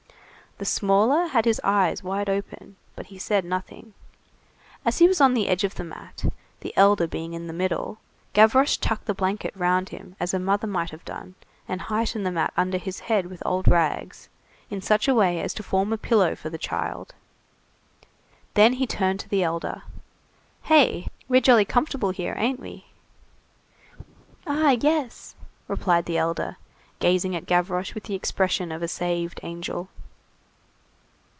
'" The smaller had his eyes wide open, but he said nothing. As he was on the edge of the mat, the elder being in the middle, Gavroche tucked the blanket round him as a mother might have done, and heightened the mat under his head with old rags, in such a way as to form a pillow for the child. Then he turned to the elder:— "Hey! We're jolly comfortable here, ain't we?" "Ah, yes!" replied the elder, gazing at Gavroche with the expression of a saved angel.